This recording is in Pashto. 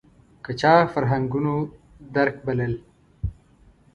که چا فرهنګونو درک بلل